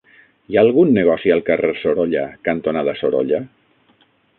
Hi ha algun negoci al carrer Sorolla cantonada Sorolla?